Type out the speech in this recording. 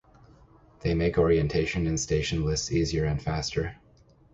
They make orientation in station lists easier and faster.